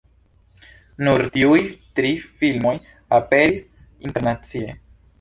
Nur tiuj tri filmoj aperis internacie.